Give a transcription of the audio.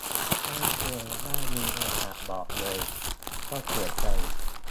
ไม่เคยได้มีโอกาสบอกเลย ก็เสียใจ